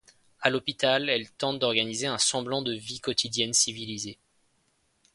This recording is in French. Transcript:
À l’hôpital, elle tente d’organiser un semblant de vie quotidienne civilisée.